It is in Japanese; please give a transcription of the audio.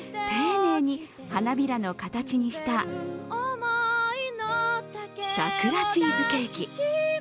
丁寧に花びらの形にしたさくらチーズケーキ。